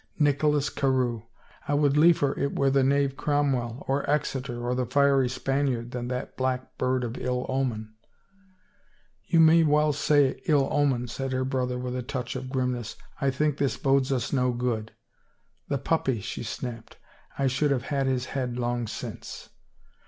Nicholas Carewe! I would liefer it were the knave Cromwell or Exeter or the fiery Spaniard than that black bird of ill omen !"" You may well say ill omen," said her brother with a touch of.grimness. '* I think this bodes us no good." " The puppy !" she snapped. " I should have had his head long since."